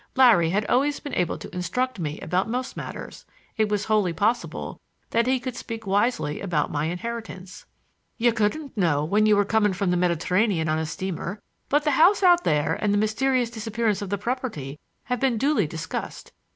Larry had always been able to instruct me about most matters; it was wholly possible that he could speak wisely about my inheritance. "You couldn't know, when you were coming from the Mediterranean on a steamer. But the house out there and the mysterious disappearance of the property have been duly discussed.